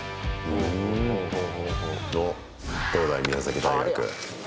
おっ、どうだい、宮崎大学。